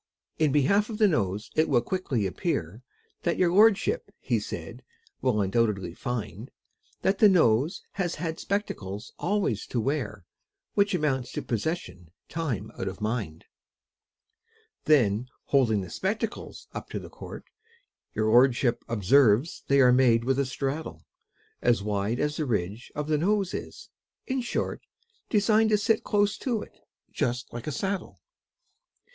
In behalf of the Nose it will quickly appear, And your lordship, he said, will undoubtedly find, That the Nose has had spectacles always to wear, Which amounts to possession time out of mind. Then holding the spectacles up to the court Your lordship observes they are made with a straddle As wide as the ridge of the Nose is; in short, Designed to sit close to it, just like a saddle.